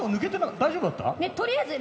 大丈夫だった？